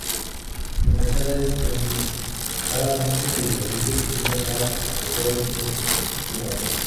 La fachada es enteramente de ladrillo y tiene las habituales tres alturas.